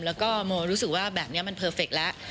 มีคนรู้สึกว่าแบบนี้มันเพอร์เฟคแล้ว